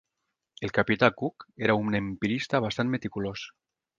El capità Cook era un empirista bastant meticulós.